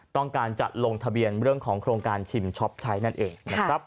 ต้องการจัดลงทะเบียนเรื่องของโครงการชิมช็อปชัยนั่นเอง